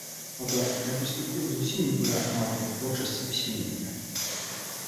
Праўда, такая перспектыва зусім не пужае аматараў творчасці пісьменніка.